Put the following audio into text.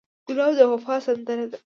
ګلاب د وفا سندره ده.